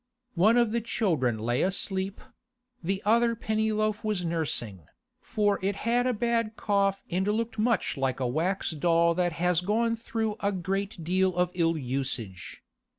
One of the children lay asleep; the other Pennyloaf was nursing, for it had a bad cough and looked much like a wax doll that has gone through a great deal of ill usage.